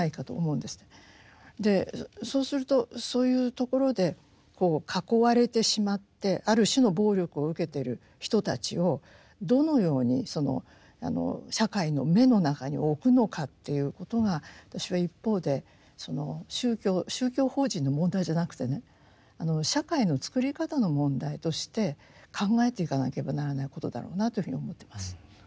そうするとそういうところで囲われてしまってある種の暴力を受けている人たちをどのように社会の目の中に置くのかということが私は一方でその宗教宗教法人の問題じゃなくてね社会のつくり方の問題として考えていかなければならないことだろうなというふうに思ってます。